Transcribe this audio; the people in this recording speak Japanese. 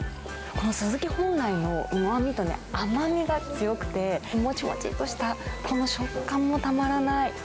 このスズキ本来のうまみとね、甘みが強くて、もちもちっとしたこの食感もたまらない。